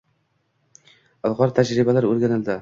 Ilg‘or tajribalar o‘rganildi